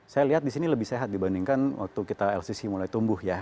saya lihat di sini lebih sehat dibandingkan waktu kita lcc mulai tumbuh ya